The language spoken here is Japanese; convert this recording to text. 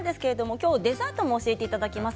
きょうはデザートも教えていただけます。